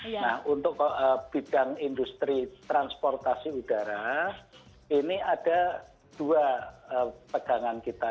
nah untuk bidang industri transportasi udara ini ada dua pegangan kita